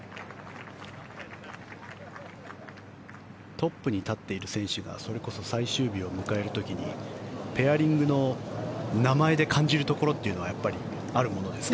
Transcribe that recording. トップに立っている選手がそれこそ最終日を迎える時にペアリングの名前で感じるところというのはやっぱりあるものですか？